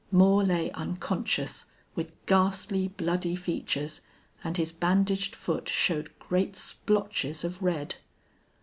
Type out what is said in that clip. Moore lay unconscious, with ghastly, bloody features, and his bandaged foot showed great splotches of red.